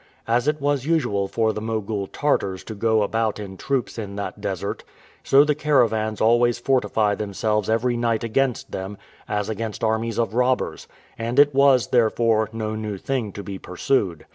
As it was usual for the Mogul Tartars to go about in troops in that desert, so the caravans always fortify themselves every night against them, as against armies of robbers; and it was, therefore, no new thing to be pursued.